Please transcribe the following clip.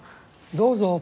どうぞ？